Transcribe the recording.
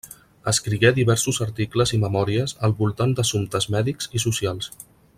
Escrigué diversos articles i memòries al voltant d'assumptes mèdics i socials.